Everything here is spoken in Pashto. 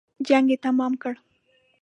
جنګ یې تمام کړ.